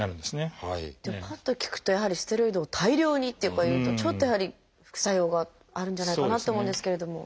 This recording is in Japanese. でもぱっと聞くとやはりステロイドを大量にとかいうとちょっとやはり副作用があるんじゃないかなって思うんですけれども。